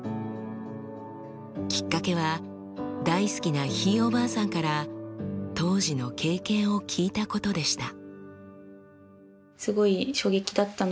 きっかけは大好きなひいおばあさんから当時の経験を聞いたことでした。